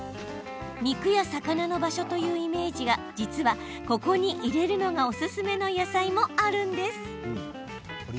肉や魚の場所というイメージですが実は、ここに入れるのがおすすめの野菜もあるんです。